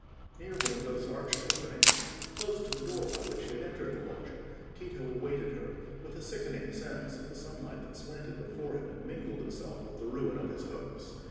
Near one of those arched openings, close to the door by which he had entered the loggia, Tito awaited her, with a sickening sense of the sunlight that slanted before him and mingled itself with the ruin of his hopes.